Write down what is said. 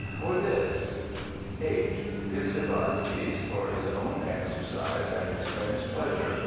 Or this: "H. HIS DEVISES, for his owne exercise, and his Friends pleasure.